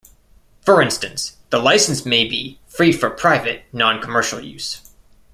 For instance, the license may be "free for private, non-commercial use".